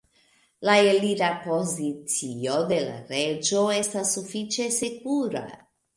La elira pozicio de la reĝo estas sufiĉe sekura.